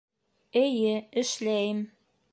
Эйе, эшләйем